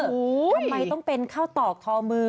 ทำไมต้องเป็นข้าวตอกคอมือ